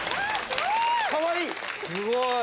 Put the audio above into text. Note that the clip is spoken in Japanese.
すごい！